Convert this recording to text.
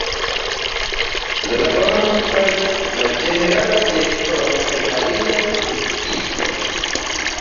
La laboron faris la Ĝenerala Direktoro kaj aliaj oficistoj.